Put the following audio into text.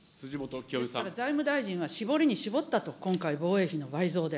ですから、財務大臣は絞りに絞ったと、今回、防衛費の倍増で。